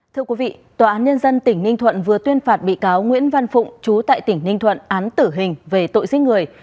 thưa quý vị tòa án nhân dân tỉnh ninh thuận vừa tuyên phạt bị cáo nguyễn văn phụng chú tại tỉnh ninh thuận án tử hình về tội giết người